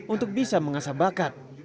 untuk bisa mengasah bakat